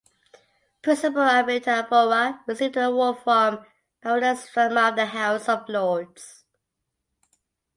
Principal Amrita Vohra received the award from Baroness Verma of the House of Lords.